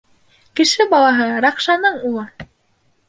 — Кеше балаһы, Ракшаның улы!